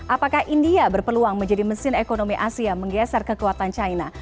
apakah india berpeluang menjadi mesin ekonomi asia menggeser kekuatan china